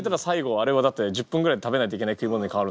あれはだって１０分ぐらいで食べないといけない食い物に変わる。